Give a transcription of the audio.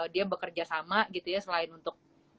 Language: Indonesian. dia bekerja sama gitu ya selain untuk